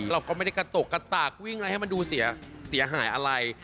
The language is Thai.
เราก็ไม่ได้กระตกกระตากวิ่งอะไรให้มันดูเสียหายอะไร